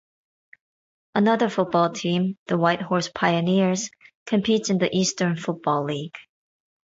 Another football team, The Whitehorse Pioneers, competes in the Eastern Football League.